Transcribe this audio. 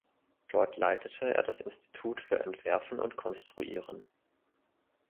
Dort leitete er das Institut für Entwerfen und Konstruieren.